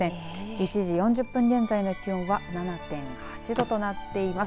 １時４０分現在の気温は７．８度となっています。